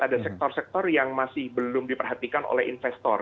ada sektor sektor yang masih belum diperhatikan oleh investor